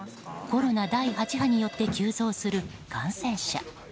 コロナ第８波によって急増する感染者。